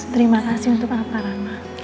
terima kasih untuk apa rama